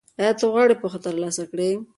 ایا ته غواړې پوهه ترلاسه کړې؟